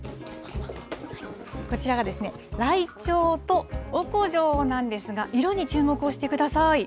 こちらが、ライチョウとオコジョなんですが、色に注目をしてください。